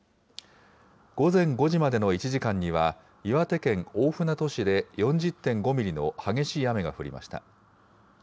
午前５時までの１時間には、岩手県大船渡市で４０．５ミリの激しい雨が降りました。